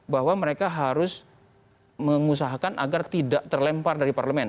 bahwa mereka harus mengusahakan agar tidak terlempar dari parlemen